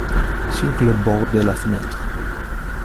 Sur le bord de la fenêtre.